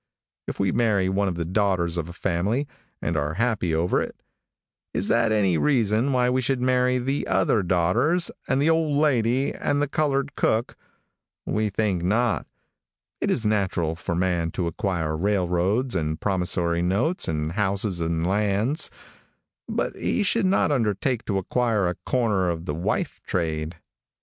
If we marry one of the daughters of a family, and are happy over it, is that any reason why we should marry the other daughters and the old lady and the colored cook? We think not. It is natural for man to acquire railroads and promissory notes and houses and lands, but he should not undertake to acquire a corner on the wife trade.